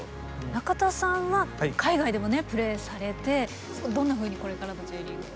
中田さんは海外でもプレーされてどんなふうにこれからのＪリーグを？